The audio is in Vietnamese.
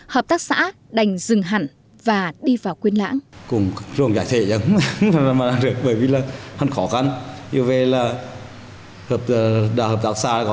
hợp tác xã đành dừng hẳn và đi vào quyên lãng